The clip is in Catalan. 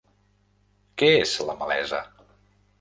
Què és la Malesa?